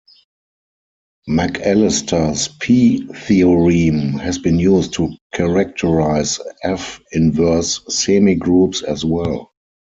McAlister's "P"-theorem has been used to characterize "F"-inverse semigroups as well.